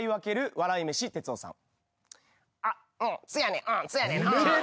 笑い飯哲夫さん。